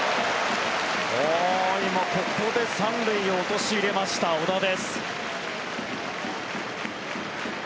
今、ここで３塁を陥れました小田です。